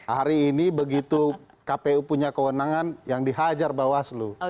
hari ini begitu kpu punya kewenangan yang dihajar bawaslu